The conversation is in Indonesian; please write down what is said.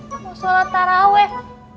mau sholat terawih